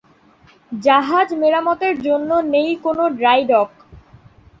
জাহাজ মেরামতের জন্য নেই কোনো ড্রাই ডক।